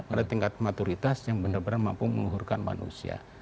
pada tingkat maturitas yang benar benar mampu meluhurkan manusia